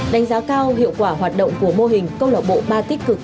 đánh giá cao hiệu quả hoạt động của mô hình câu lạc bộ ba tích cực